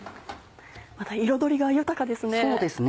彩りが豊かですね。